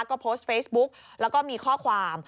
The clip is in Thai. ก็โพสต์เฟซบุ๊กแล้วก็มีข้อความ